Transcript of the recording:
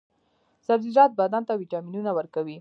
سبزیجات بدن ته ویټامینونه ورکوي.